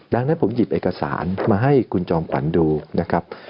ดังนั้นผมหยิบเอกสารมาให้คุณจอมขวัญดูนะครับ